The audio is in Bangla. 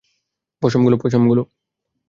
পসামগুলো, পসামগুলো!